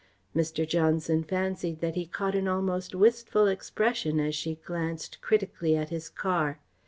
Mr. Johnson fancied that he caught an almost wistful expression as she glanced critically at his car.